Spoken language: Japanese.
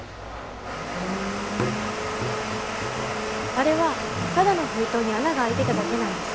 あれはただの封筒に穴が開いてただけなんです。